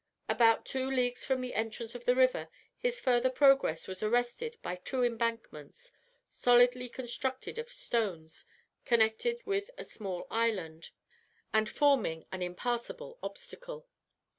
About two leagues from the entrance of the river his further progress was arrested by two embankments, solidly constructed of stones, connected with a small island, and forming an impassable obstacle.